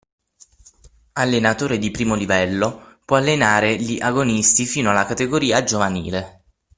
Allenatore I° livello, può allenare gli agonisti fino alla categoria giovanile.